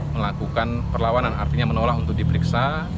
melakukan perlawanan artinya menolak untuk diperiksa